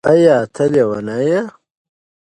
ایا ته لیونی یې؟